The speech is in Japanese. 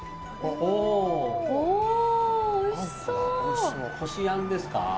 こしあんですか？